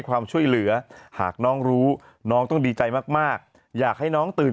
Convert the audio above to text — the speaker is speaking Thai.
ความช่วยเหลือหากน้องรู้น้องต้องดีใจมากอยากให้น้องตื่น